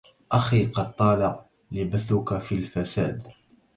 أخي قد طال لبثك في الفساد